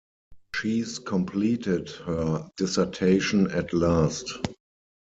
She's completed her dissertation at last.